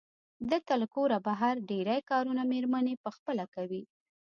دلته له کوره بهر ډېری کارونه مېرمنې پخپله کوي.